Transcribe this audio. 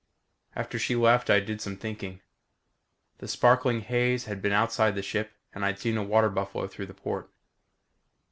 After she left I did some thinking. The sparkling haze had been outside the ship and I'd seen a water buffalo through the port.